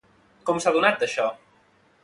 Com s'ha adonat d'això?